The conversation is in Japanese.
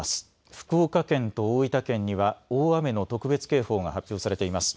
福岡県と大分県には大雨の特別警報が発表されています。